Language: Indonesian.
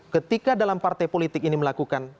ketika dalam partai politik ini melakukan